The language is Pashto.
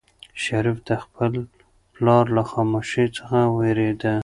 شریف د خپل پلار له خاموشۍ څخه وېرېده.